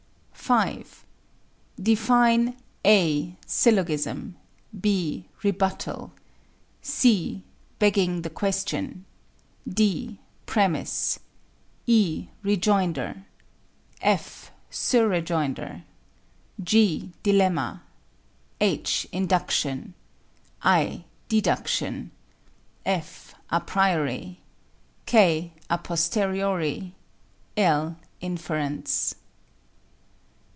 5. Define (a) syllogism; (b) rebuttal; (c) "begging the question;" (d) premise; (e) rejoinder; (f) sur rejoinder; (g) dilemma; (h) induction; (i) deduction; (j) a priori; (k) a posteriori; (l) inference.